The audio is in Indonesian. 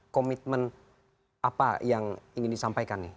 komitmen apa yang ingin disampaikan nih